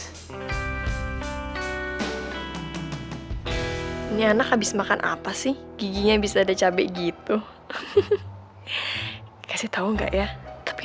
ini anak habis makan apa sih giginya bisa ada cabai gitu kasih tau enggak ya tapi